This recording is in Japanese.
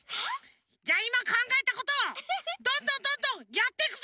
じゃあいまかんがえたことをどんどんどんどんやっていくぞ！